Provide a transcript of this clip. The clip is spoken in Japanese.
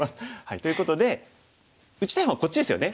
ということで打ちたい方はこっちですよね。